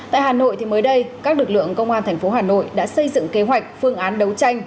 tại hà nội mới đây các lực lượng công an tp hà nội đã xây dựng kế hoạch phương án đấu tranh